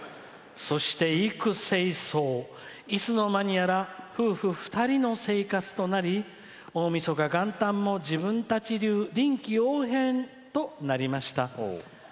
「そして幾星霜いつの間にやら夫婦２人の生活となり大みそか、元旦も自分たち流臨機応変となりました。